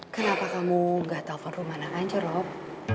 kenapa kamu gak telfon rumana aja rob